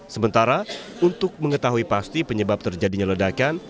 sementara untuk mengetahui pasti penyebab terjadinya ledakan